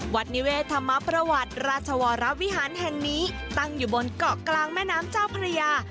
นิเวศธรรมประวัติราชวรวิหารแห่งนี้ตั้งอยู่บนเกาะกลางแม่น้ำเจ้าพระยา